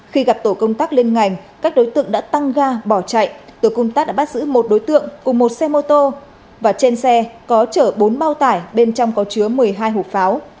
khi gặp tổ công tác liên ngành các đối tượng đã tăng ga bỏ chạy tổ công tác đã bắt giữ một đối tượng cùng một xe mô tô và trên xe có chở bốn bao tải bên trong có chứa một mươi hai hộp pháo